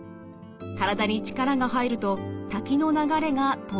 体に力が入ると滝の流れが止まってしまいます。